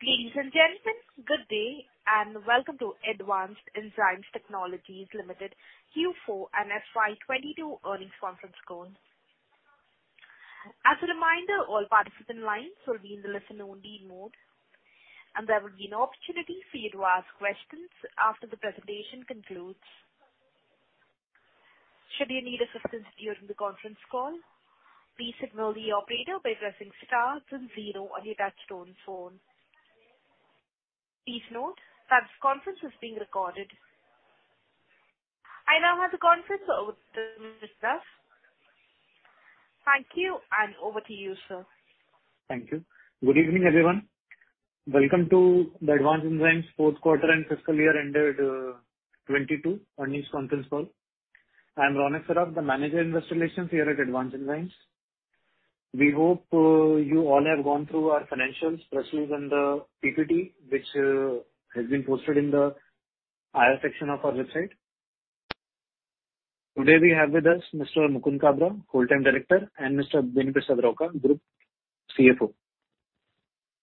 Ladies and gentlemen, good day, and welcome to Advanced Enzyme Technologies Limited Q4 and FY22 Earnings Conference Call. As a reminder, all participants' lines will be in the listen-only mode, and there will be an opportunity for you to ask questions after the presentation concludes. Should you need assistance during the conference call, please signal the operator by pressing star then zero on your touch-tone phone. Please note that this conference is being recorded. I now hand the conference over to Mr. Ronak Saraf. Thank you, and over to you, sir. Thank you. Good evening, everyone. Welcome to the Advanced Enzyme Technologies Q4 and FY ended 2022 Earnings Conference Call. I am Ronak Saraf, the Manager Investor Relations here at Advanced Enzyme Technologies. We hope you all have gone through our financials, press release and the PPT, which has been posted in the IR section of our website. Today we have with us Mr. Mukund Kabra, Whole-time Director, and Mr. Beni Prasad Rauka, Group CFO.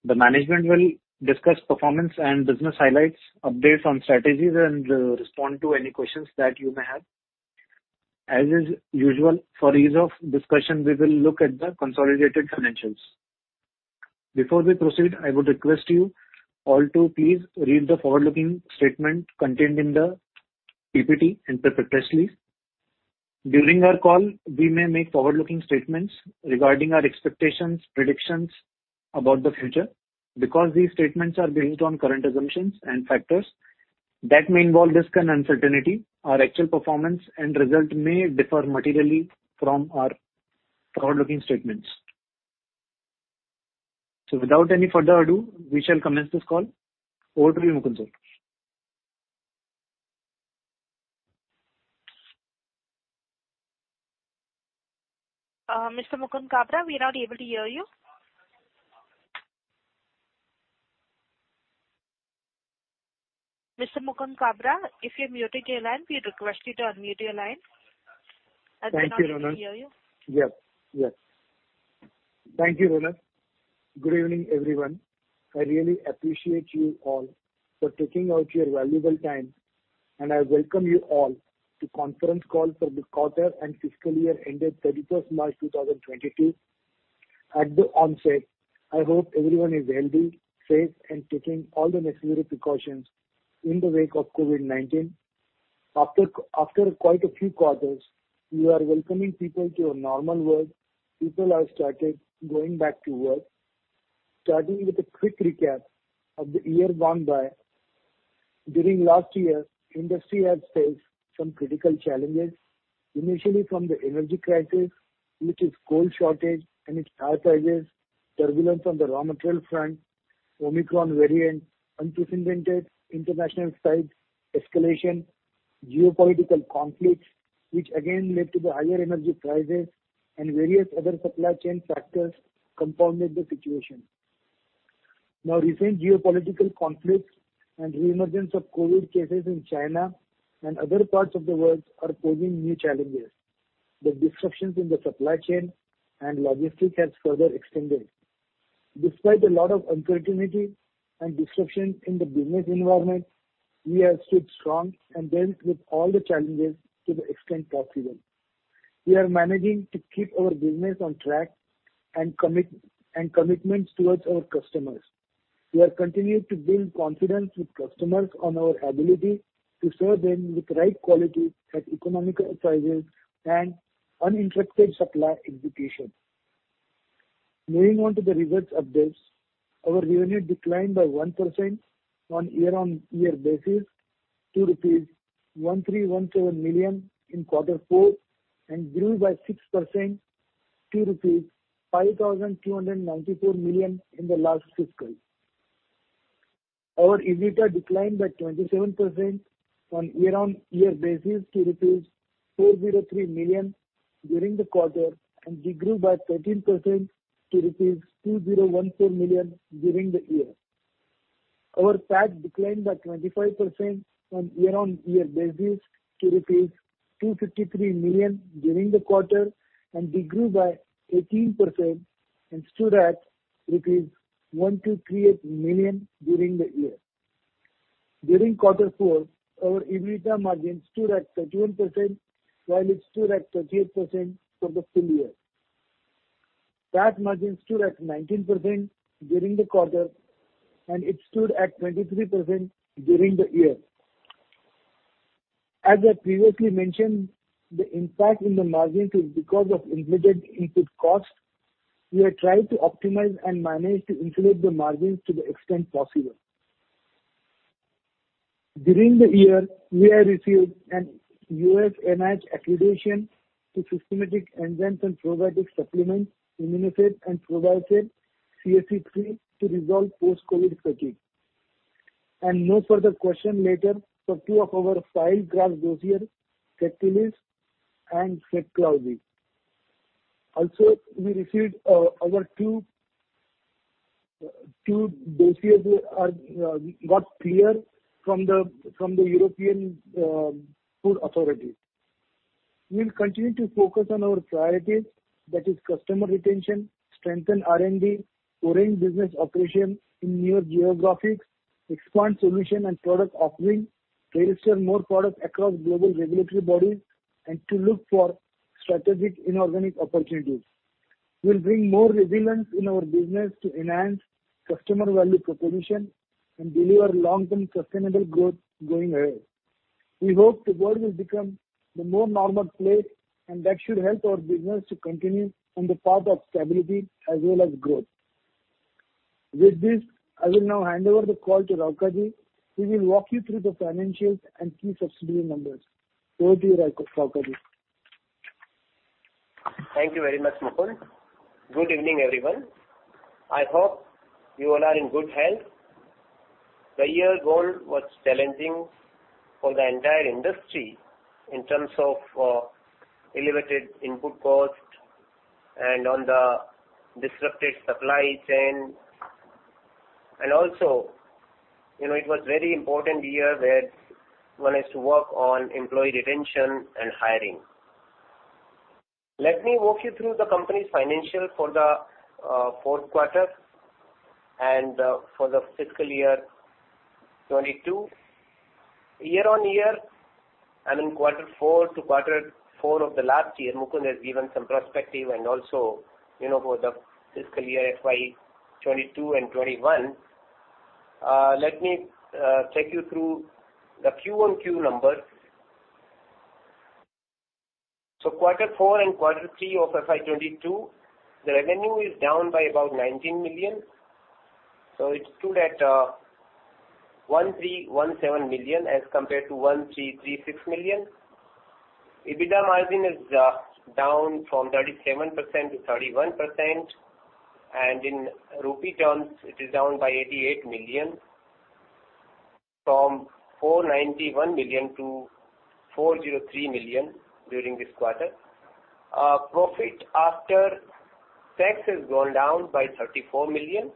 The management will discuss performance and business highlights, updates on strategies and respond to any questions that you may have. As is usual, for ease of discussion, we will look at the consolidated financials. Before we proceed, I would request you all to please read the forward-looking statement contained in the PPT and the press release. During our call, we may make forward-looking statements regarding our expectations, predictions about the future. Because these statements are based on current assumptions and factors that may involve risk and uncertainty, our actual performance and result may differ materially from our forward-looking statements. Without any further ado, we shall commence this call. Over to you, Mukund sir. Mr. Mukund Kabra, we are not able to hear you. Mr. Mukund Kabra, if you've muted your line, we request you to unmute your line as we are not able to hear you. Thank you, Ronak. Good evening, everyone. I really appreciate you all for taking out your valuable time, and I welcome you all to conference call for the quarter and FY ended 31st of March 2022. At the onset, I hope everyone is healthy, safe and taking all the necessary precautions in the wake of COVID-19. After quite a few quarters, we are welcoming people to a normal world. People have started going back to work. Starting with a quick recap of the year gone by. During last year, industry has faced some critical challenges, initially from the energy crisis, which is coal shortage and its high prices, turbulence on the raw material front, Omicron variant, unprecedented international side escalation, geopolitical conflicts which again led to the higher energy prices and various other supply chain factors compounded the situation. Recent geopolitical conflicts and reemergence of COVID-19 cases in China and other parts of the world are posing new challenges. The disruptions in the supply chain and logistics has further extended. Despite a lot of uncertainty and disruption in the business environment, we have stood strong and dealt with all the challenges to the extent possible. We are managing to keep our business on track and commit, and commitment towards our customers. We are continuing to build confidence with customers on our ability to serve them with right quality at economical prices and uninterrupted supply execution. Moving on to the results updates. Our revenue declined by 1% on year-on-year basis to rupees 1,317 million in quarter four and grew by 6% to rupees 5,294 million in the last fiscal. Our EBITDA declined by 27% on year-on-year basis to rupees 403 million during the quarter and degrew by 13% to rupees 201.4 million during the year. Our PAT declined by 25% on year-on-year basis to rupees 253 million during the quarter, and degrew by 18% and stood at 123.8 million during the year. During Q4, our EBITDA margin stood at 13% while it stood at 38% for the full year. PAT margin stood at 19% during the quarter, and it stood at 23% during the year. As I previously mentioned, the impact in the margins is because of inflated input costs. We are trying to optimize and manage to insulate the margins to the extent possible. During the year, we have received a U.S. NH accreditation to systemic enzymes and probiotics supplements, ImmunoSEB and ProbioSEB CSC3 to resolve post-COVID fatigue. No further questions letter for 2 of our filed draft dossiers, Secelus and Seclozel. Also we received our 2 dossiers got clearance from the European Food Safety Authority. We'll continue to focus on our priorities, that is customer retention, strengthen R&D, foreign business operation in new geographies, expand solution and product offering, register more products across global regulatory bodies, and to look for strategic inorganic opportunities. We'll bring more resilience in our business to enhance customer value proposition and deliver long-term sustainable growth going ahead. We hope the world will become the more normal place, and that should help our business to continue on the path of stability as well as growth. With this, I will now hand over the call to Rauka, who will walk you through the financials and key subsidiary numbers. Over to you, Rauka. Thank you very much, Mukund. Good evening, everyone. I hope you all are in good health. The year gone was challenging for the entire industry in terms of elevated input cost and the disrupted supply chain. You know, it was very important year where one has to work on employee retention and hiring. Let me walk you through the company's financials for the Q4 and for the FY 2022. Year-on-year, I mean, Q4-to-Q4 of the last year, Mukund has given some perspective and also, you know, for the FY 2022 and FY 2021. Let me take you through the Q-on-Q numbers. Q4 and Q3 of FY 2022, the revenue is down by about 19 million. It stood at 1,317 million as compared to 1,336 million. EBITDA margin is down from 37% to 31%, and in rupee terms, it is down by 88 million from 491 million to 403 million during this quarter. Profit after tax has gone down by 34 million.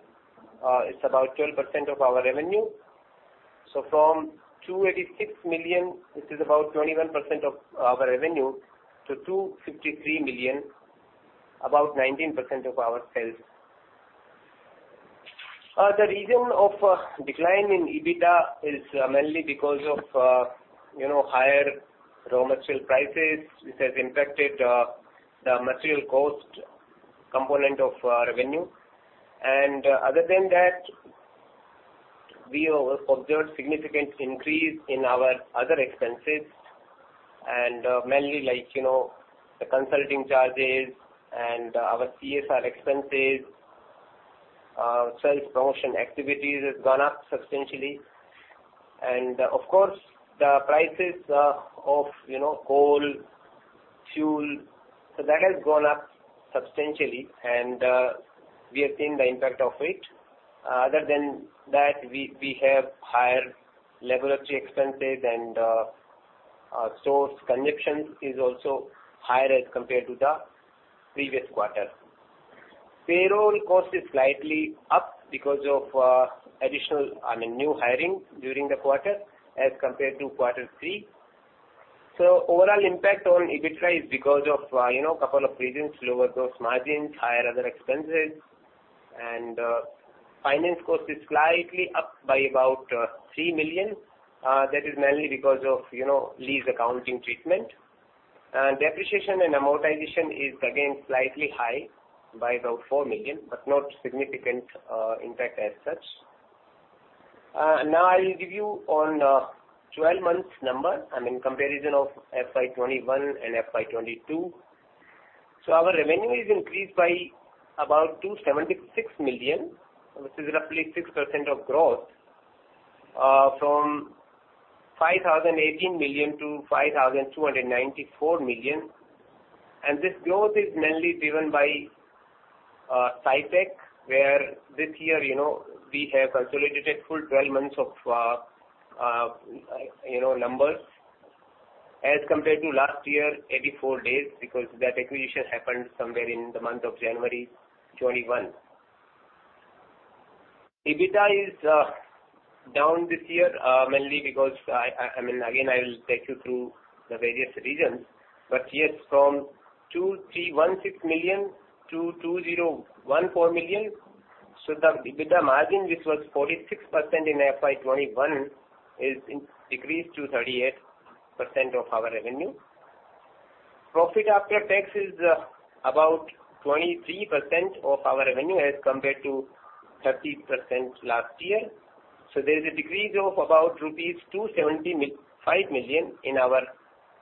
It's about 12% of our revenue. From 286 million, which is about 21% of our revenue, to 253 million, about 19% of our sales. The reason of decline in EBITDA is mainly because of you know, higher raw material prices which has impacted the material cost component of our revenue. Other than that, we have observed significant increase in our other expenses, and mainly like, you know, the consulting charges and our CSR expenses. Sales promotion activities has gone up substantially. Of course, the prices of, you know, coal, fuel, so that has gone up substantially and we have seen the impact of it. Other than that, we have higher regulatory expenses and source consumption is also higher as compared to the previous quarter. Payroll cost is slightly up because of additional, I mean, new hiring during the quarter as compared to Q3. Overall impact on EBITDA is because of you know, couple of reasons, lower gross margins, higher other expenses. Finance cost is slightly up by about 3 million. That is mainly because of you know, lease accounting treatment. Depreciation and amortization is again slightly high by about 4 million, but not significant impact as such. Now I'll give you 12 months number, I mean, comparison of FY21 and FY22. Our revenue is increased by about 276 million, which is roughly 6% of growth, from 5,018 million to 5,294 million. This growth is mainly driven by SciTech, where this year, you know, we have consolidated full 12 months of numbers as compared to last year, 84 days, because that acquisition happened somewhere in the month of January 2021. EBITDA is down this year, mainly because I mean, again, I will take you through the various reasons, but yes, from 2,316 million to 2,014 million. The EBITDA margin, which was 46% in FY21 is decreased to 38% of our revenue. Profit after tax is about 23% of our revenue as compared to 30% last year. There is a decrease of about rupees 275 million in our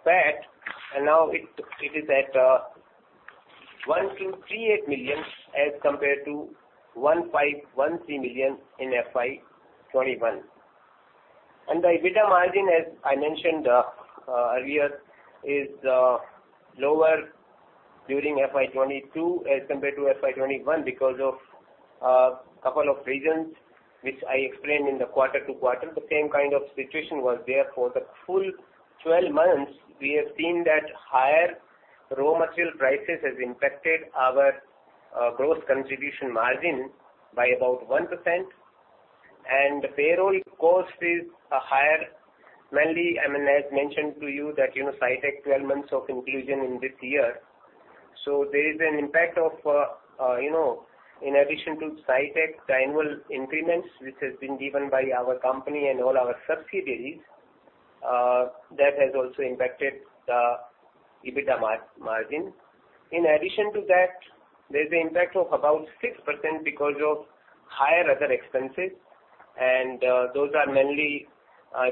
PAT, and now it is at 1,238 million as compared to 1,513 million in FY21. The EBITDA margin, as I mentioned earlier, is lower during FY22 as compared to FY21 because of couple of reasons which I explained in the quarter-over-quarter. The same kind of situation was there for the full twelve months. We have seen that higher raw material prices has impacted our gross contribution margin by about 1%. The payroll cost is higher mainly, I mean, as mentioned to you that, you know, SciTech twelve months of inclusion in this year. There is an impact of, you know, in addition to SciTech, the annual increments which has been given by our company and all our subsidiaries, that has also impacted the EBITDA margin. In addition to that, there's the impact of about 6% because of higher other expenses, and those are mainly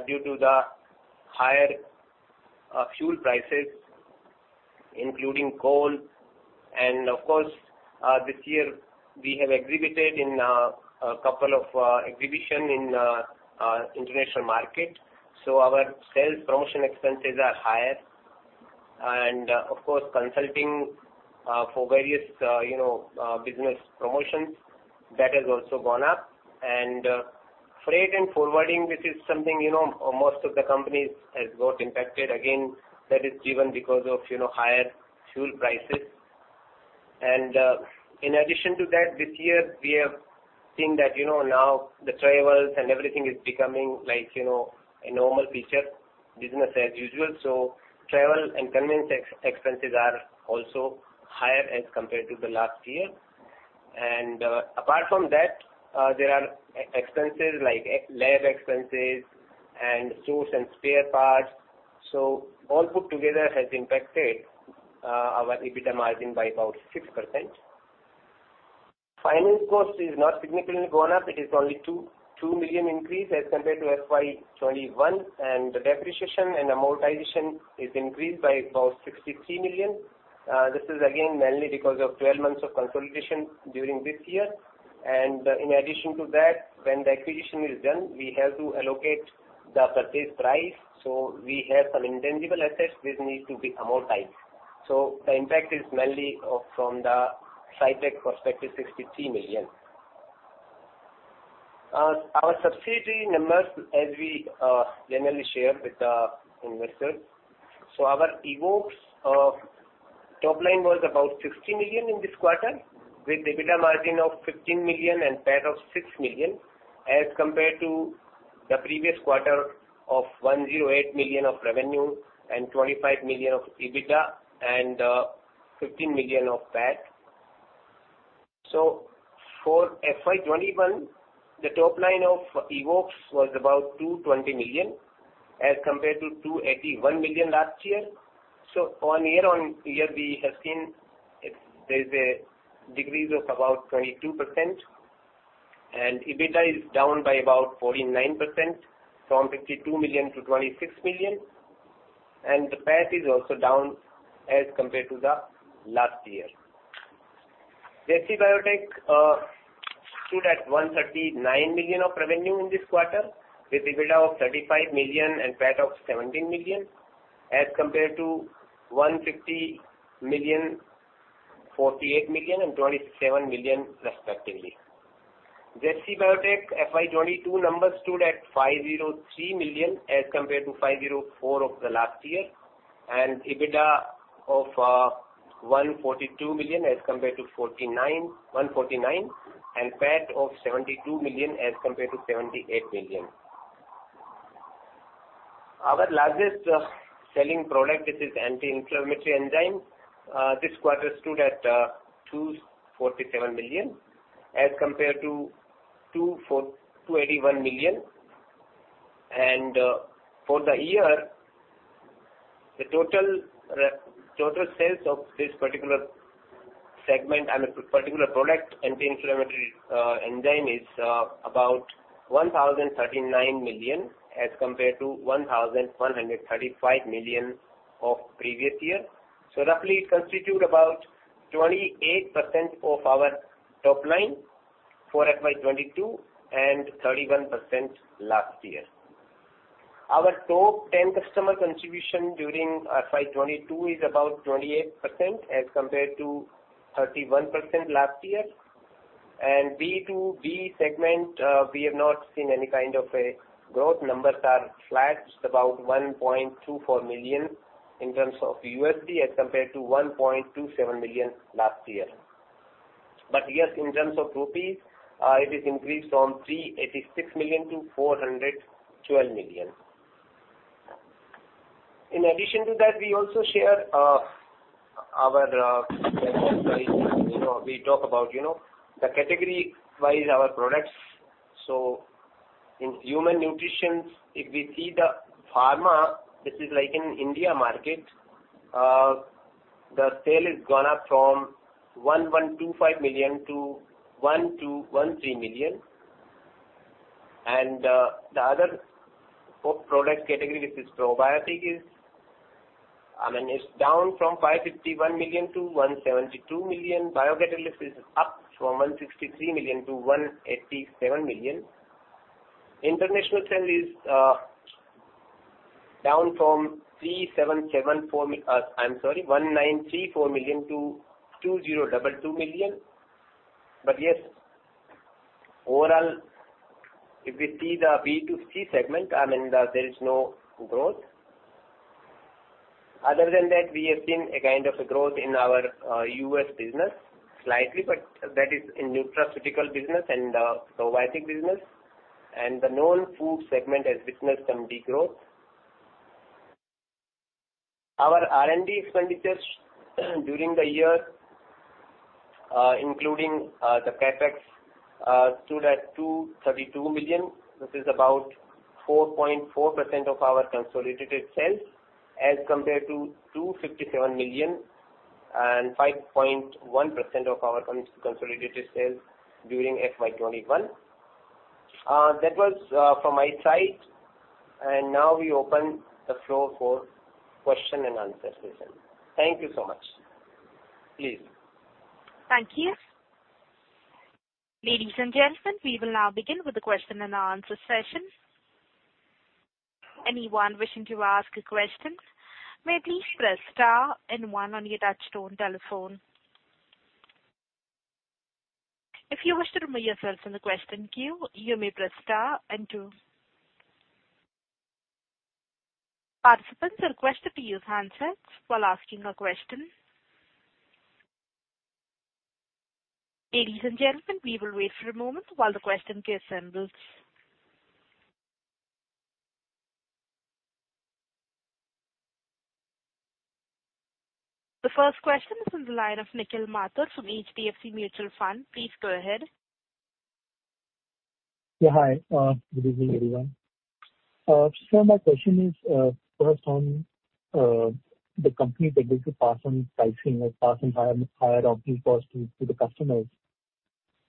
due to the higher fuel prices, including coal. Of course, this year we have exhibited in a couple of exhibitions in international market. Our sales promotion expenses are higher. Of course, consulting for various, you know, business promotions that has also gone up. Freight and forwarding, which is something, you know, most of the companies has got impacted. Again, that is driven because of, you know, higher fuel prices. In addition to that, this year we have seen that, you know, now the travels and everything is becoming like, you know, a normal feature, business as usual. Travel and conveyance expenses are also higher as compared to the last year. Apart from that, there are expenses like lab expenses and tools and spare parts. All put together has impacted our EBITDA margin by about 6%. Finance cost is not significantly gone up. It is only 2 million increase as compared to FY21, and the depreciation and amortization is increased by about 63 million. This is again, mainly because of 12 months of consolidation during this year. In addition to that, when the acquisition is done, we have to allocate the purchase price. We have some intangible assets which need to be amortized. The impact is mainly from the SciTech perspective, 63 million. Our subsidiary numbers as we generally share with the investors. Our evoxx top line was about 60 million in this quarter with EBITDA of 15 million and PAT of 6 million, as compared to the previous quarter of 108 million of revenue and 25 million of EBITDA and fifteen million of PAT. For FY21, the top line of evoxx was about 220 million as compared to 281 million last year. On year-on-year, we have seen there's a decrease of about 22%, and EBITDA is down by about 49% from 52 million to 26 million. The PAT is also down as compared to the last year. JC BioTec stood at 139 million of revenue in this quarter with EBITDA of 35 million and PAT of 17 million, as compared to 150 million, 48 million and 27 million respectively. Desi BioTec FY22 numbers stood at 503 million as compared to 504 of the last year, and EBITDA of 142 million as compared to 149, and PAT of 72 million as compared to 78 million. Our largest selling product, which is anti-inflammatory enzyme, this quarter stood at 247 million as compared to 281 million. For the year, the total sales of this particular segment, I mean, particular product, anti-inflammatory enzyme, is about 1,039 million as compared to 1,135 million of previous year. Roughly it constitute about 28% of our top line for FY22 and 31% last year. Our top 10 customer contribution during FY22 is about 28% as compared to 31% last year. B2B segment, we have not seen any kind of a growth. Numbers are flat, just about $1.24 million in terms of USD as compared to $1.27 million last year. Yes, in terms of rupee, it is increased from 386 million to 412 million. In addition to that, you know, we talk about, you know, the category wise our products. In human nutrition, if we see the pharma, this is like in Indian market, the sale is gone up from 112.5 million to 121.3 million. The other product category, which is probiotic, is. I mean, it's down from 551 million to 172 million. Biocatalyst is up from 163 million to 187 million. International sales is down from 1,934 million to 2,022 million. Yes, overall if we see the B2C segment, I mean, there is no growth. Other than that, we have seen a kind of a growth in our U.S. business slightly, but that is in nutraceutical business and probiotic business. The non-food segment has witnessed some degrowth. Our R&D expenditures during the year, including the CapEx, stood at 232 million, which is about 4.4% of our consolidated sales as compared to 257 million and 5.1% of our consolidated sales during FY21. That was from my side. Now we open the floor for Q&A session. Thank you so much. Please. Thank you. Ladies and gentlemen, we will now begin with the question-and-answer session. Anyone wishing to ask questions may please press star and one on your touchtone telephone. If you wish to remove yourself from the question queue, you may press star and two. Participants are requested to use handsets while asking a question. Ladies and gentlemen, we will wait for a moment while the question queue assembles. The first question is on the line of Nikhil Mathur from HDFC Asset Management Company Limited. Please go ahead. Yeah, hi. Good evening, everyone. My question is, first on the company's ability to pass on pricing or pass on higher raw material costs to the customers.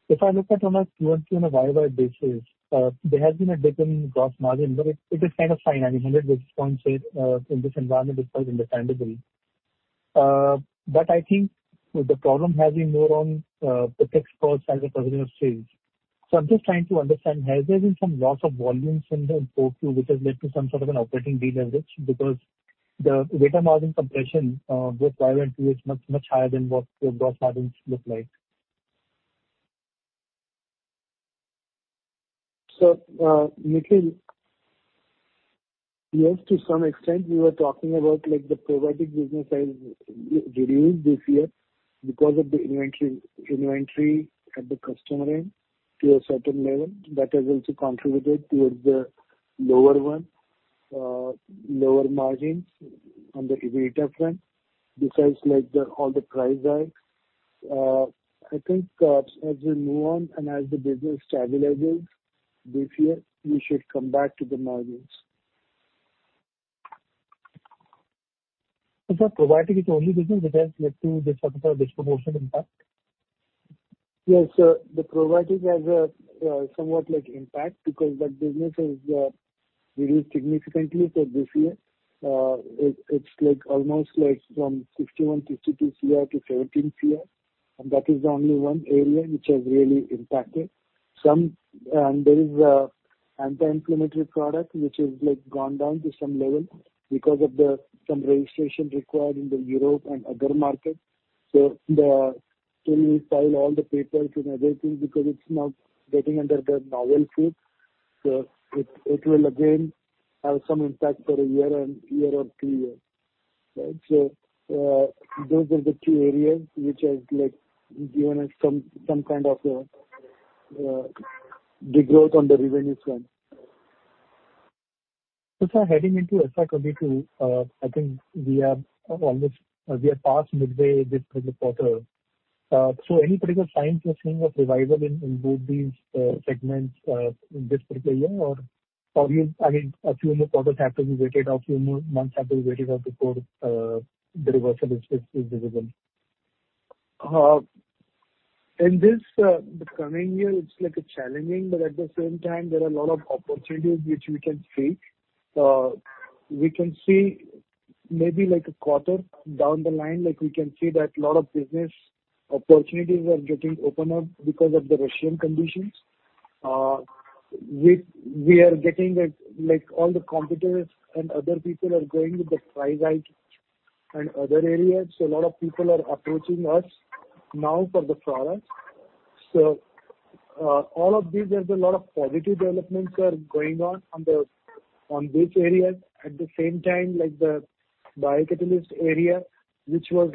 If I look at QoQ on a YoY basis, there has been a dip in gross margin, but it is kind of fine. 100 basis points in this environment is quite understandable. But I think the problem has been more on the fixed cost as a percentage of sales. I'm just trying to understand, has there been some loss of volumes in the portfolio which has led to some sort of an operating deleverage? Because the EBITDA margin compression with YoY over QoQ is much higher than what your gross margins look like. Nikhil, yes, to some extent we were talking about like the probiotic business has reduced this year because of the inventory at the customer end to a certain level that has also contributed towards the lower margins on the EBITDA front besides all the price hikes. I think, as we move on and as the business stabilizes this year, we should come back to the margins. Is the probiotic the only business that has led to this sort of disproportionate impact? Yes. The probiotic has a somewhat like impact because that business has reduced significantly for this year. It is like almost like from 61-62 CY to 17 CY, and that is the only one area which has really impacted. There is an anti-inflammatory product which has like gone down to some level because of some registration required in Europe and other markets. Still need to file all the papers and everything because it's now getting under the novel food, so it will again have some impact for a year or two years, right? Those are the two areas which has like given us some kind of degrowth on the revenues front. Sir, heading into FY22, I think we are almost, we are past midway this FY quarter. Any particular signs you're seeing of revival in both these segments in this particular year or you... I mean, a few more quarters have to be waited or a few more months have to be waited out before the reversal is visible? In this, the coming year, it's like challenging, but at the same time there are a lot of opportunities which we can take. We can see maybe like a quarter down the line, like we can see that a lot of business opportunities are getting open up because of the Russian conditions. We are getting like all the competitors and other people are going with the price hike in other areas, so a lot of people are approaching us now for the products. All of these, there's a lot of positive developments are going on on these areas. At the same time, like the biocatalyst area, which was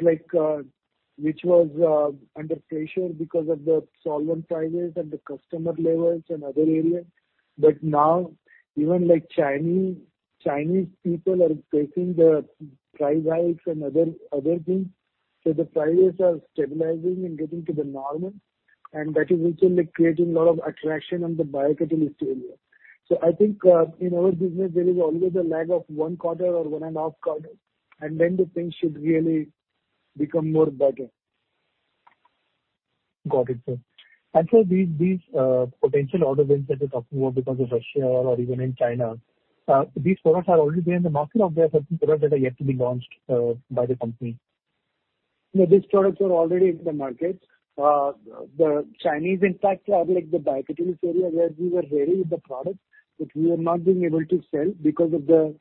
under pressure because of the solvent prices at the customer levels and other areas. Now even like Chinese people are taking the price hikes and other things. The prices are stabilizing and getting to the normal, and that is also like creating a lot of attraction on the biocatalyst area. I think in our business there is always a lag of one quarter or one and half quarter, and then the things should really become more better. Got it, sir. These potential order wins that you're talking about because of Russia or even in China, these products are already there in the market or there are certain products that are yet to be launched by the company? No, these products are already in the market. The Chinese in fact have like the biocatalyst area where we were ready with the products, but we were not being able to sell because of the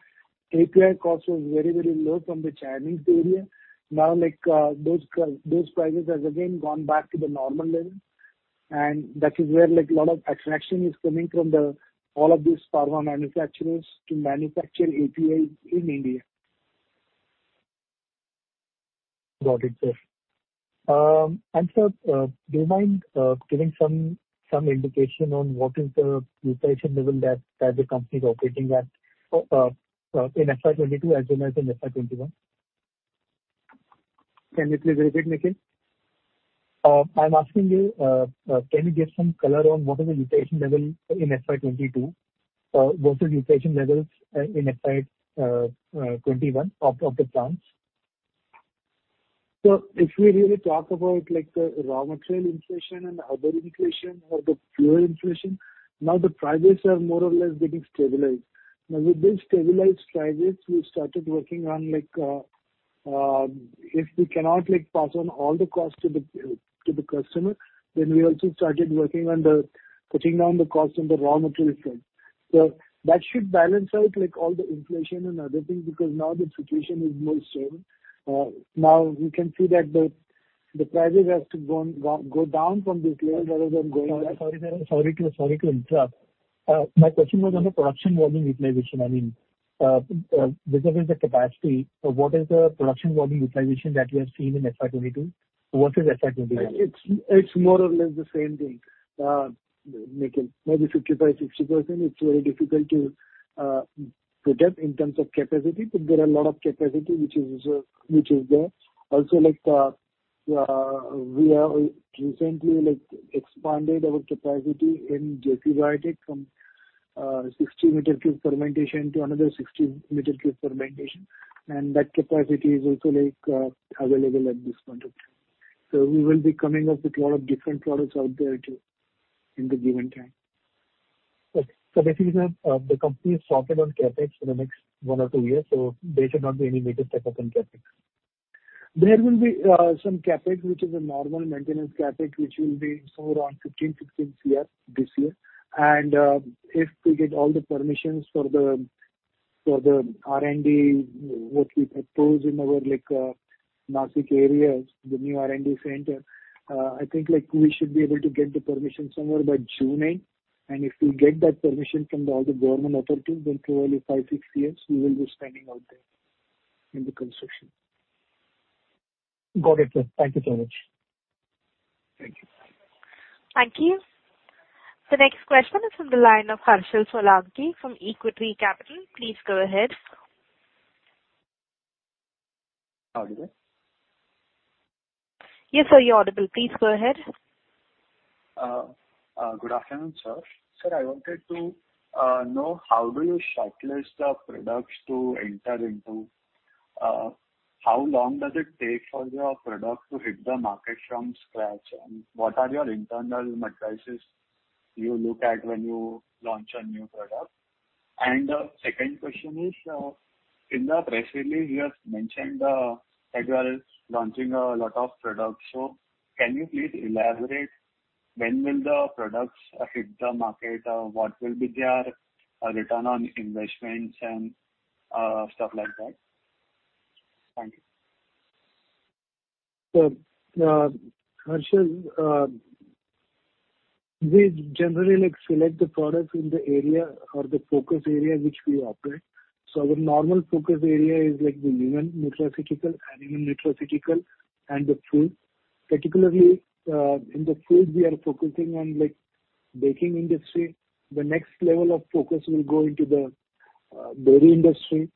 API cost was very, very low from the Chinese area. Now like, those prices has again gone back to the normal level. That is where like a lot of attraction is coming from all of these pharma manufacturers to manufacture APIs in India. Got it, sir. Sir, do you mind giving some indication on what is the utilization level that the company is operating at in FY 22 as well as in FY 21? Can you please repeat, Nikhil? I'm asking you, can you give some color on what is the utilization level in FY 22? What is utilization levels in FY21 of the plants? If we really talk about like the raw material inflation and other inflation or the fuel inflation, now the prices have more or less getting stabilized. Now, with these stabilized prices, we started working on like, if we cannot like pass on all the costs to the customer, then we also started working on the putting down the cost on the raw material front. That should balance out like all the inflation and other things, because now the situation is more stable. Now we can see that the prices has to go down from this level rather than going up. Sorry to interrupt. My question was on the production volume utilization. I mean, this is the capacity. What is the production volume utilization that you have seen in FY22 versus FY21? It's more or less the same thing, Nikhil. Maybe 55-60%. It's very difficult to predict in terms of capacity, but there are a lot of capacity which is reserved, which is there. Also like, we have recently like expanded our capacity in JC Biotech from 60 meter cube fermentation to another 60 meter cube fermentation. That capacity is also like available at this point of time. We will be coming up with lot of different products out there too in the given time. Okay. Basically the company is sorted on CapEx for the next one or two years, so there should not be any major step up in CapEx. There will be some CapEx, which is a normal maintenance CapEx, which will be somewhere around 15-16 crore this year. If we get all the permissions for the R&D what we proposed in our like Nashik area, the new R&D center, I think like we should be able to get the permission somewhere by June end. If we get that permission from all the government authorities, then probably 5-6 years we will be spending out there in the construction. Got it, sir. Thank you so much. Thank you. Thank you. The next question is from the line of Harshil Solanki from Equitree Capital Advisors Private Limited. Please go ahead. Audible? Yes, sir. You're audible. Please go ahead. Good afternoon, sir. Sir, I wanted to know how do you shortlist the products to enter into? How long does it take for your product to hit the market from scratch? What are your internal metrics you look at when you launch a new product? Second question is, in the press release you have mentioned, Edurel is launching a lot of products. Can you please elaborate when will the products hit the market? What will be their return on investments and stuff like that? Thank you. Harshal, we generally like select the products in the area or the focus area which we operate. Our normal focus area is like the human nutraceutical, animal nutraceutical and the food. Particularly, in the food we are focusing on like baking industry. The next level of focus will go into the dairy industry.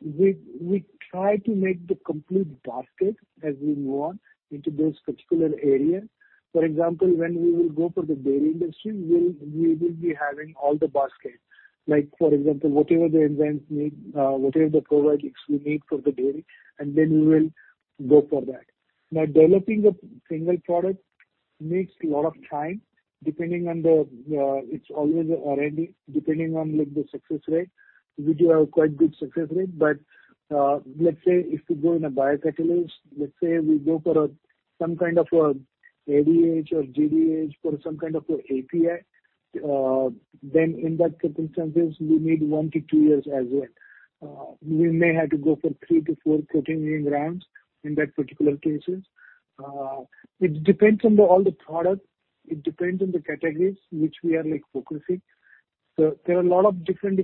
We try to make the complete basket as we move on into those particular area. For example, when we will go for the dairy industry, we will be having all the basket. Like, for example, whatever the enzymes need, whatever the probiotics we need for the dairy, and then we will go for that. Now, developing a single product needs lot of time, depending on the, it's always R&D, depending on like the success rate. We do have quite good success rate. Let's say if you go in a biocatalyst, let's say we go for some kind of a ADH or GDH for some kind of a API, then in that circumstances we need 1-2 years as well. We may have to go for 3-4 protein engineering rounds in that particular cases. It depends on all the products. It depends on the categories which we are like focusing. There are a lot of different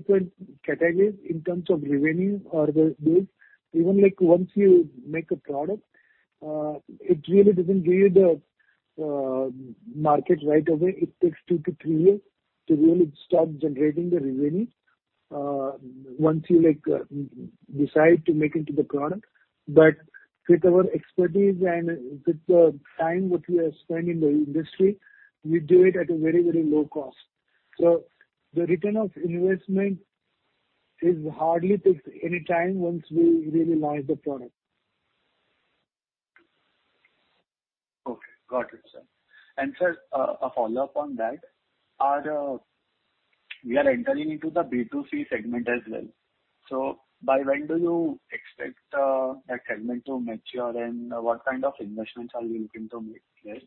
categories in terms of revenue or the base. Even like once you make a product, it really doesn't give you the market right away. It takes 2-3 years to really start generating the revenue, once you like decide to make into the product. With our expertise and with the time which we have spent in the industry, we do it at a very, very low cost. The return of investment is hardly takes any time once we really launch the product. Okay. Got it, sir. Sir, a follow-up on that. We are entering into the B2C segment as well. By when do you expect that segment to mature and what kind of investments are you looking to make there?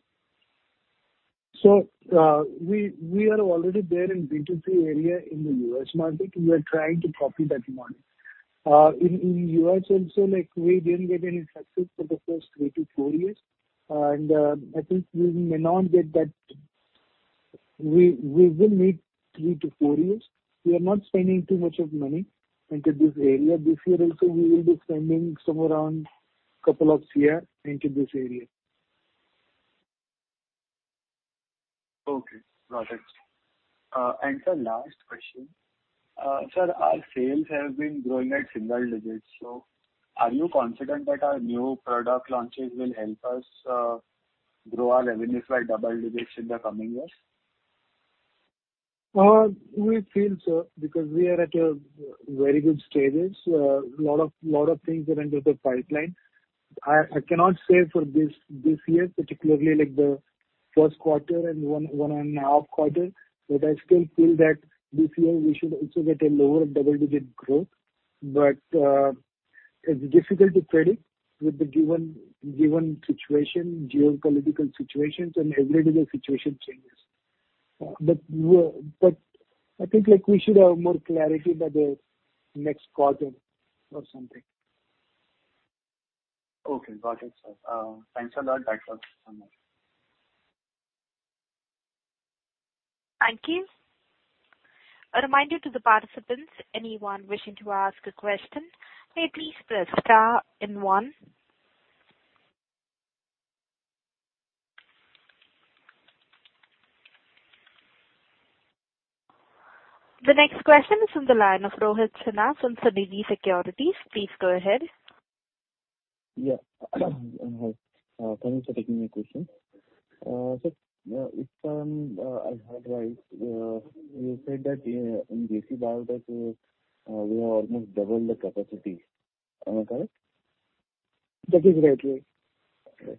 We are already there in B2C area in the U.S. market. We are trying to copy that model. In U.S. also, like we didn't get any success for the first 3-4 years. I think we may not get that. We will need 3-4 years. We are not spending too much of money into this area. This year also we will be spending somewhere around INR 2 crore into this area. Okay. Got it. Sir, last question. Sir, our sales have been growing at single digits. Are you confident that our new product launches will help us grow our revenues by double digits in the coming years? We feel so because we are at a very good stages. A lot of things are in the pipeline. I cannot say for this year, particularly like the Q1 and 1.5 quarter, but I still feel that this year we should also get a lower double-digit growth. It's difficult to predict with the given situation, geopolitical situations and every day the situation changes. I think like we should have more clarity by the next quarter or something. Okay. Got it, sir. Thanks a lot. That was so much. Thank you. A reminder to the participants, anyone wishing to ask a question, may please press star and one. The next question is from the line of Rohit Sinhasane from SADHVI SECURITIES PRIVATE LIMITED. Please go ahead. Yeah. Hi. Thank you for taking my question. Sir, if I heard right, you said that in JC Biotech we have almost doubled the capacity. Am I correct? That is right, yeah. Okay.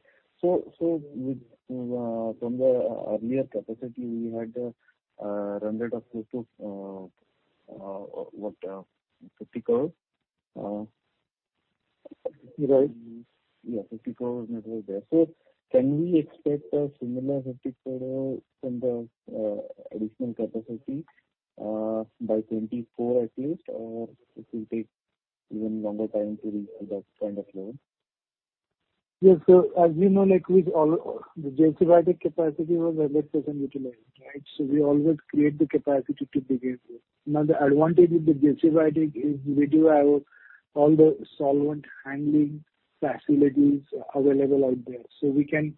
From the earlier capacity we had, run rate of close to 50 crore. Right. Yeah, 50 crore net worth there. Can we expect a similar 50 crore from the additional capacity by 2024 at least, or it will take even longer time to reach that kind of level? Yes. As you know, the JC Biotech capacity was less than utilized, right? We always create the capacity to begin with. Now, the advantage with the JC Biotech is we do have all the solvent handling facilities available out there. We can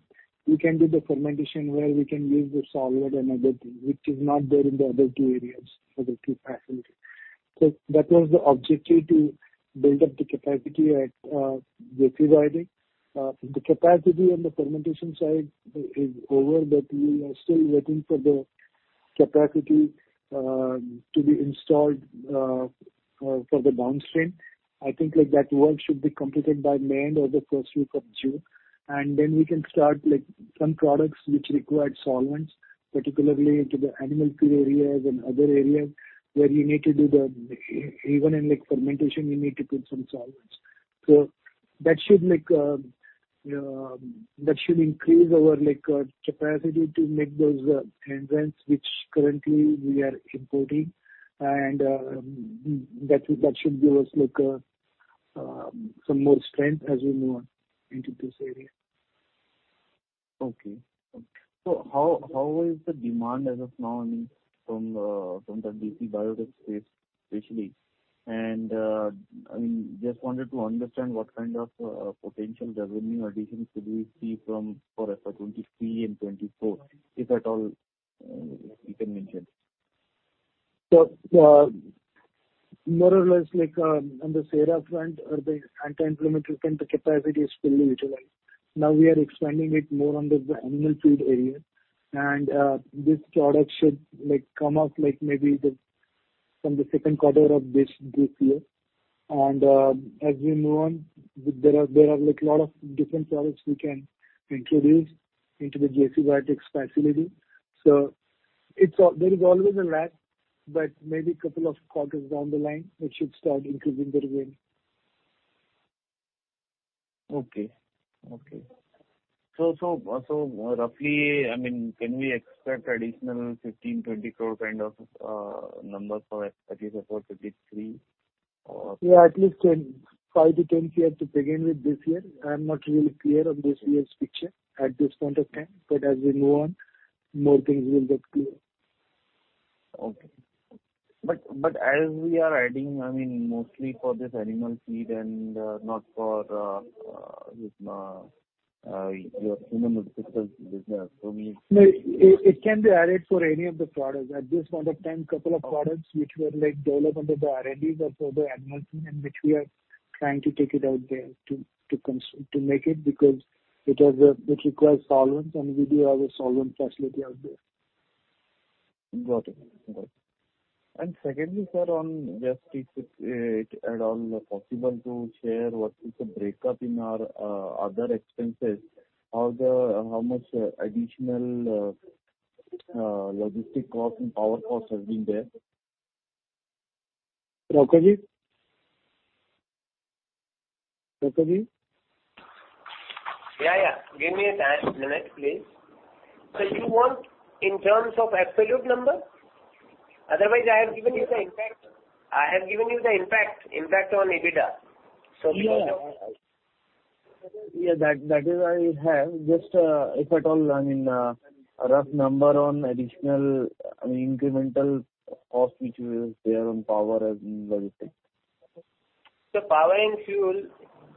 do the fermentation where we can use the solvent and other thing, which is not there in the other two areas, other two facility. That was the objective to build up the capacity at JC Biotech. The capacity on the fermentation side is over, but we are still waiting for the capacity to be installed for the downstream. I think like that work should be completed by May end or the first week of June. We can start like some products which require solvents, particularly into the animal feed areas and other areas where you need to do. Even in like fermentation you need to put some solvents. That should like increase our like capacity to make those enzymes which currently we are importing and that should give us like some more strength as we move on into this area. Okay. How is the demand as of now, I mean, from the JC Biotech space especially? I mean, just wanted to understand what kind of potential revenue additions could we see from for, say 2023 and 2024, if at all you can mention. More or less like, on the CERA front or the anti-inflammatory front, the capacity is fully utilized. Now we are expanding it more under the animal feed area. This product should like come up like maybe from the Q2 of this year. As we move on, there are like lot of different products we can introduce into the JC Biotech facility. There is always a lag, but maybe couple of quarters down the line it should start increasing the revenue. Okay. Roughly, I mean, can we expect additional 15-20 crore kind of numbers for at least 2023 or- Yeah, at least 10, 5 crore-10 crore to begin with this year. I'm not really clear on this year's picture at this point of time, but as we move on, more things will get clear. Okay. As we are adding, I mean, mostly for this animal feed and not for your human nutritional business for me. No, it can be added for any of the products. At this point of time, couple of products which were like developed under the R&D was for the animal feed and which we are trying to take it out there to make it because it requires solvents and we do have a solvent facility out there. Got it. Secondly, sir, on just if it's at all possible to share what is the breakup in our other expenses. How much additional logistic cost and power cost has been there? Beni Prasad Rauka? Yeah, yeah. Give me a minute, please. You want in terms of absolute number? Otherwise, I have given you the impact on EBITDA. Yeah, that is. I have. Just, if at all, I mean, rough number on additional, I mean, incremental cost which we will bear on power and the other thing. Power and fuel,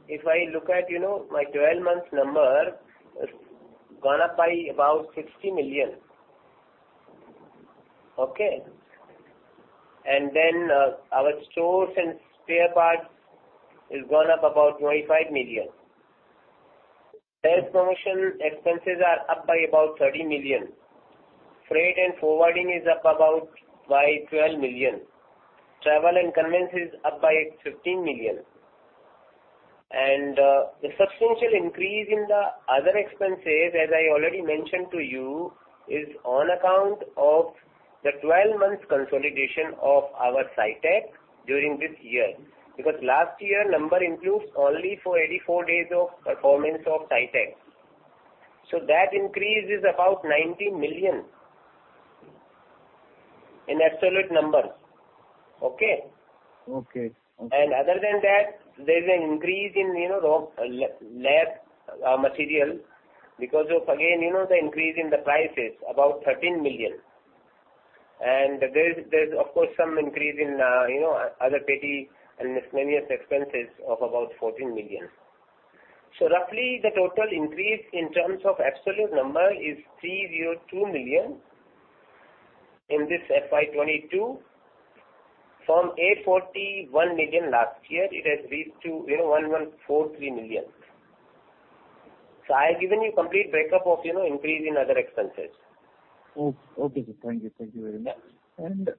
if I look at, you know, my 12 months number, it's gone up by about 60 million. Okay? Then, our stores and spare parts is gone up about 25 million. Sales promotion expenses are up by about 30 million. Freight and forwarding is up about by 12 million. Travel and conveyance is up by 15 million. The substantial increase in the other expenses, as I already mentioned to you, is on account of the 12 months consolidation of our SciTech during this year. Because last year number includes only for 84 days of performance of SciTech. That increase is about 90 million in absolute numbers. Okay? Okay. Other than that, there's an increase in, you know, the lab material because of, again, you know, the increase in the prices, about 13 million. There's of course some increase in, you know, other petty and miscellaneous expenses of about 14 million. Roughly the total increase in terms of absolute number is 302 million in this FY22. From 841 million last year it has reached to, you know, 1,143 million. I have given you complete breakup of, you know, increase in other expenses. Okay, sir. Thank you very much.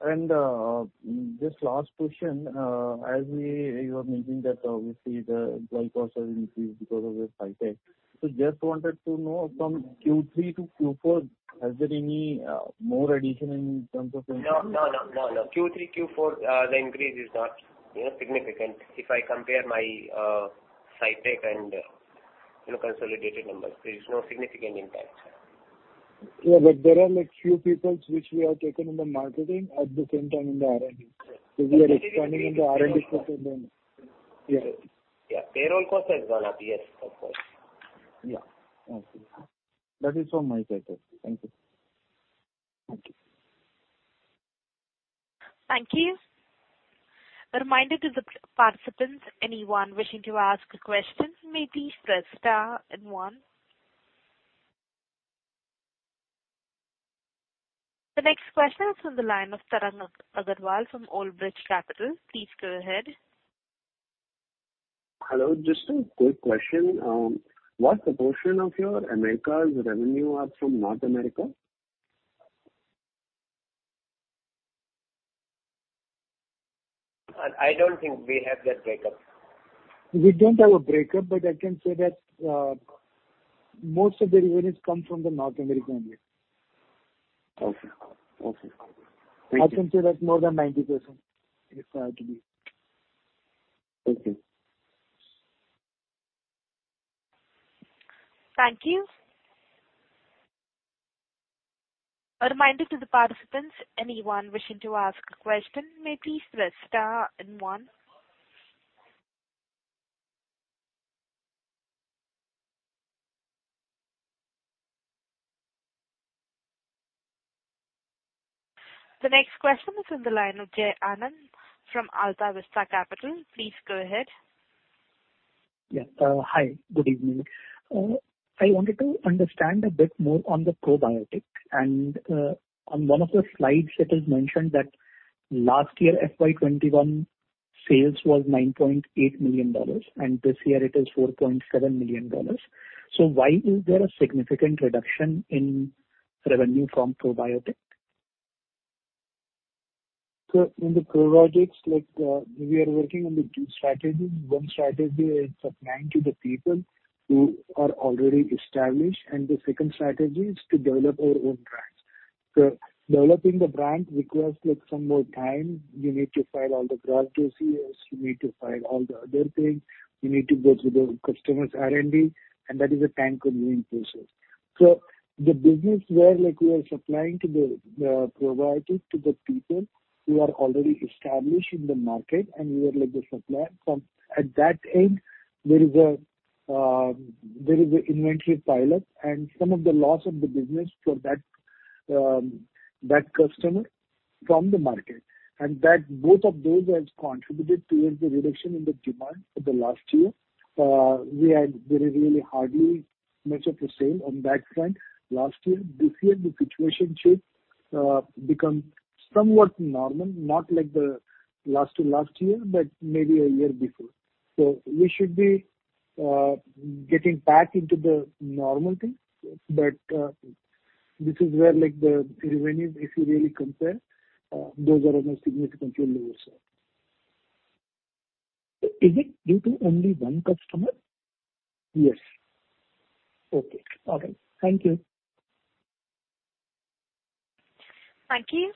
This last question, as you were mentioning that obviously the employee costs have increased because of the SciTech. Just wanted to know from Q3 to Q4, has there any more addition in terms of employees? No, no, no. Q3, Q4, the increase is not, you know, significant. If I compare my standalone and, you know, consolidated numbers, there is no significant impact. There are like few people which we have taken in the marketing at the same time in the R&D. We are expanding the R&D people then. Yeah. Payroll cost has gone up. Yes, of course. Yeah. Okay. That is from my side. Thank you. Thank you. Thank you. A reminder to the participants, anyone wishing to ask a question may please press star and one. The next question is on the line of Tarang Agrawal from Old Bridge Asset Management Pvt Ltdg. Please go ahead. Hello. Just a quick question. What proportion of your Americas revenue are from North America? I don't think we have that breakup. We don't have a breakup, but I can say that, most of the revenues come from the North American region. Okay. Okay. Thank you. I can say that more than 90% is likely. Thank you. Thank you. A reminder to the participants, anyone wishing to ask a question may please press star and one. The next question is on the line of Jai Anand from Alta Vista Capital. Please go ahead. I wanted to understand a bit more on the probiotic. On one of the slides it is mentioned that last year, FY21 sales was $9.8 million, and this year it is $4.7 million. Why is there a significant reduction in revenue from probiotic? In the probiotics, like, we are working on the two strategies. One strategy is supplying to the people who are already established, and the second strategy is to develop our own brands. Developing the brand requires like some more time. You need to file all the processes. You need to file all the other things. You need to go through the customers' R&D, and that is a time-consuming process. The business where like we are supplying to the probiotic to the people who are already established in the market and we are like the supplier. At that end, there is a inventory pile-up and some of the loss of the business for that customer from the market. That both of those has contributed towards the reduction in the demand for the last year. We had really hardly much of a sale on that front last year. This year the situation should become somewhat normal. Not like the last to last year, but maybe a year before. We should be getting back into the normal thing. This is where like the revenue, if you really compare, those are on a significantly lower side. Is it due to only one customer? Yes. Okay. All right. Thank you. Thank you.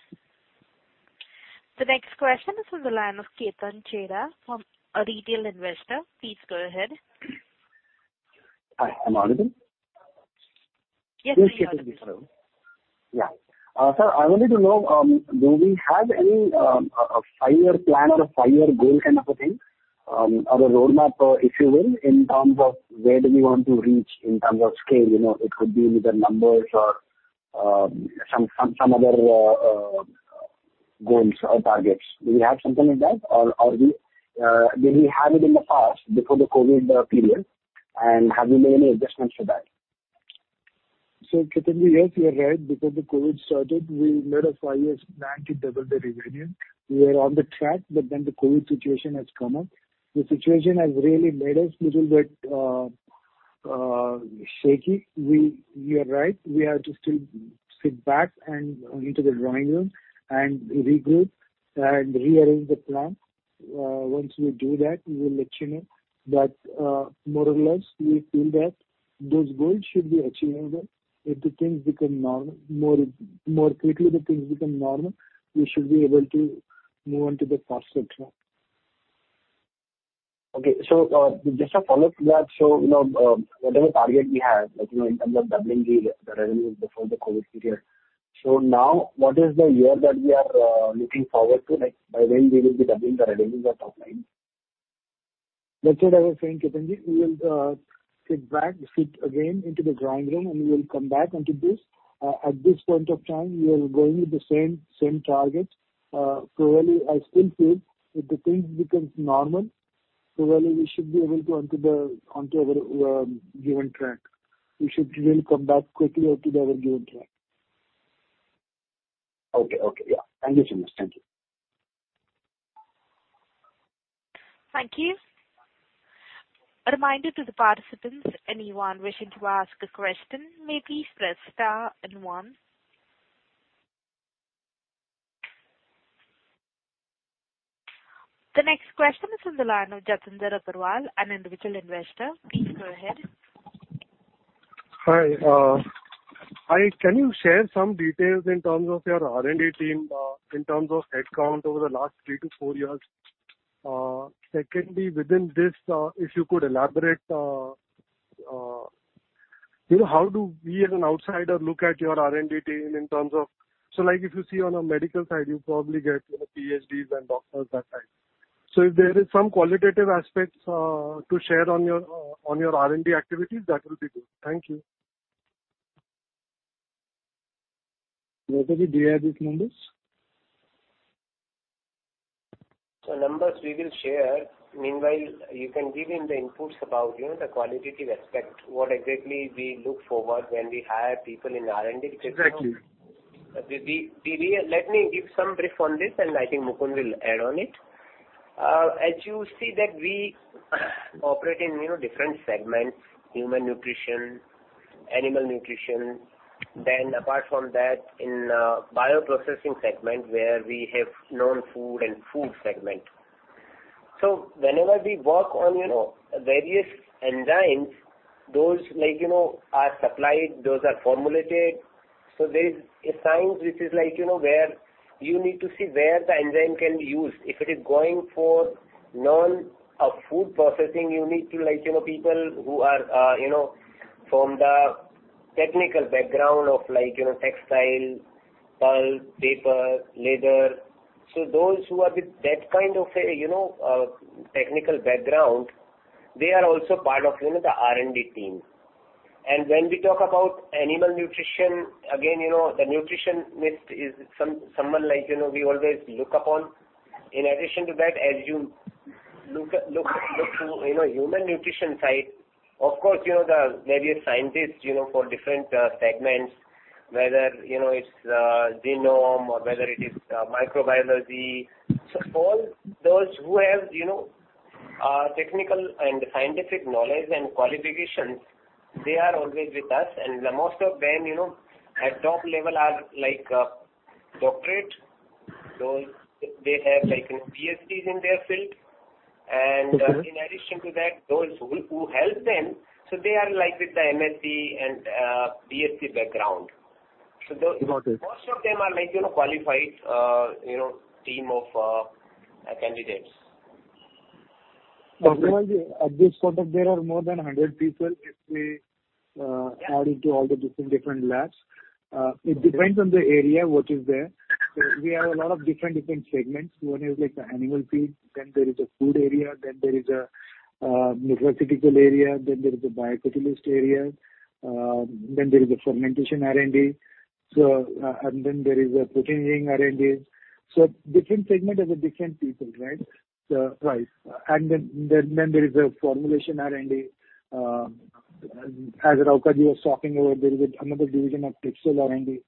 The next question is from the line of Ketan Chheda from a Retail Investor. Please go ahead. Hi, Amol here. Yes. Yeah. I wanted to know, do we have any 5-year plan or 5-year goal kind of a thing, or a roadmap, if you will, in terms of where do we want to reach in terms of scale? You know, it could be with the numbers or some other goals or targets. Do we have something like that? Or did we have it in the past before the COVID period, and have we made any adjustments for that? Ketan, yes, you are right. Before the COVID started, we made a 5-year plan to double the revenue. We were on the track, but then the COVID situation has come up. The situation has really made us little bit shaky. You are right. We have to still go back to the drawing board and regroup and rearrange the plan. Once we do that, we will let you know. More or less, we feel that those goals should be achievable. If the things become normal more quickly, we should be able to move on to the faster track. Okay. Just a follow-up to that. You know, whatever target we had, like, you know, in terms of doubling the revenue before the COVID period. Now what is the year that we are looking forward to? Like, by when we will be doubling the revenues or top line? That's what I was saying, Ketan. We will go back to the drawing board, and we will come back onto this. At this point of time, we are going with the same target. Really I still feel if the things becomes normal, really we should be able to onto our given track. We should really come back quickly onto our given track. Okay. Yeah. Thank you so much. Thank you. Thank you. A reminder to the participants, anyone wishing to ask a question may please press star and one. The next question is from the line of Jatinder Agarwal, an Individual Investor. Please go ahead. Hi, hi. Can you share some details in terms of your R&D team, in terms of headcount over the last 3-4 years? Secondly, within this, if you could elaborate, you know, how do we as an outsider look at your R&D team in terms of. Like if you see on a medical side, you probably get, you know, PhDs and doctors that side. If there is some qualitative aspects to share on your, on your R&D activities, that will be good. Thank you. Rauka, do you have these numbers? Numbers we will share. Meanwhile, you can give him the inputs about, you know, the qualitative aspect, what exactly we look for when we hire people in R&D. Exactly. Let me give some brief on this, and I think Mukund will add on it. As you see that we operate in, you know, different segments: human nutrition, animal nutrition. Apart from that, in bioprocessing segment where we have non-food and food segment. Whenever we work on, you know, various enzymes, those like, you know, are supplied, those are formulated. There's a science which is like, you know, where you need to see where the enzyme can be used. If it is going for non-food processing, you need to like, you know, people who are, you know, from the technical background of like, you know, textile, pulp, paper, leather. Those who are with that kind of a, you know, technical background, they are also part of, you know, the R&D team. When we talk about animal nutrition, again, you know, the nutritionist is someone like, you know, we always look upon. In addition to that, as you look to human nutrition side, of course, you know, then maybe a scientist, you know, for different segments, whether, you know, it's genome or whether it is microbiology. So all those who have, you know, technical and scientific knowledge and qualifications, they are always with us. The most of them, you know, at top level are like doctorate. They have like PhDs in their field. Okay. In addition to that, those who help them, so they are like with the MSc and PhD background. Got it. The most of them are like, you know, qualified, you know, team of, candidates. Okay. At this point there are more than 100 people if we add into all the different labs. It depends on the area what is there. We have a lot of different segments. One is like the animal feed, then there is a food area, then there is a nutraceutical area, then there is a biocatalyst area, then there is a fermentation R&D, then there is a protein R&D. Different segment of the different people, right? Right. There is a formulation R&D. As Raukarji was talking about, there is another division of pixel R&D,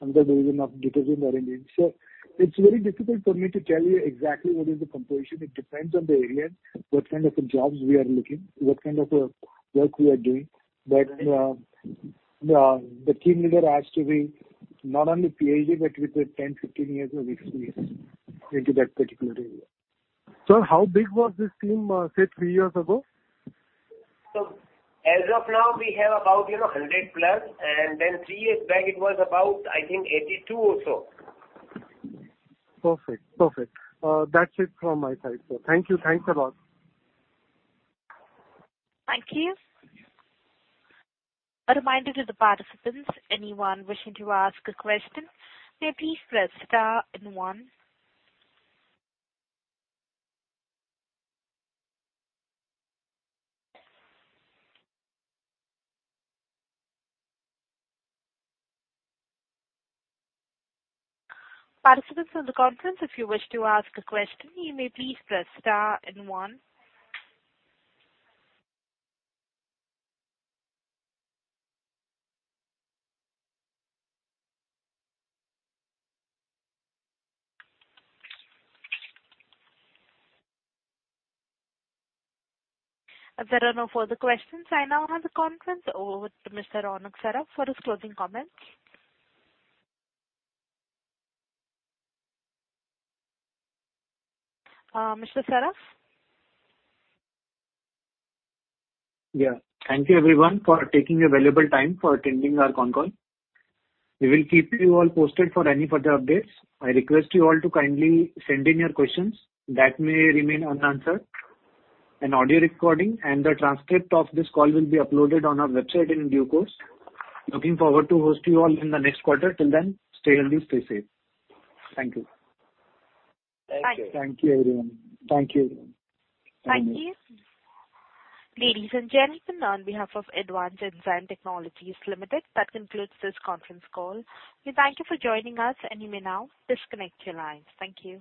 another division of R&D. It's very difficult for me to tell you exactly what is the composition. It depends on the area, what kind of jobs we are looking, what kind of work we are doing. The team leader has to be not only PhD, but with 10 years, 15 years of experience into that particular area. Sir, how big was this team, say 3-years ago? As of now, we have about, you know, 100+, and then 3-years back it was about, I think, 82 or so. Perfect. That's it from my side, so thank you. Thanks a lot. Thank you. A reminder to the participants, anyone wishing to ask a question, may please press star and one. Participants on the conference, if you wish to ask a question, you may please press star and one. If there are no further questions, I now hand the conference over to Mr. Ronak Saraf for his closing comments. Mr. Saraf? Yeah. Thank you everyone for taking your valuable time for attending our con call. We will keep you all posted for any further updates. I request you all to kindly send in your questions that may remain unanswered. An audio recording and the transcript of this call will be uploaded on our website in due course. Looking forward to host you all in the next quarter. Till then, stay healthy, stay safe. Thank you. Thank you, everyone. Thank you. Thank you. Ladies and gentlemen, on behalf of Advanced Enzyme Technologies Limited, that concludes this conference call. We thank you for joining us, and you may now disconnect your lines. Thank you.